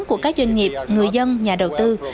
của các doanh nghiệp người dân nhà đầu tư